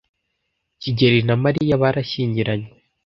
kigeli na Mariya barashyingiranywe,